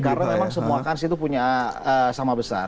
karena memang semua kans itu punya sama besar